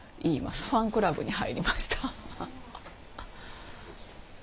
ファンクラブに入りました。